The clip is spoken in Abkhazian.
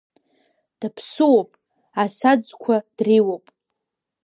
Даԥсуоуп, Асаӡқәа дреиуоуп.